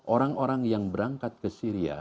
orang orang yang berangkat ke syria